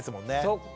そっか！